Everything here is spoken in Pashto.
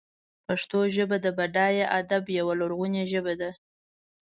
پښتو ژبه د بډای ادب یوه لرغونې ژبه ده.